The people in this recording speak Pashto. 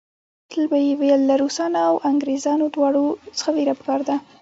تل به یې ویل له روسانو او انګریزانو دواړو څخه وېره په کار ده.